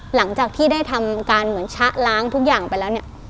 หลังจากที่ได้ทำการเหมือนชะล้างทุกอย่างไปแล้วเนี่ย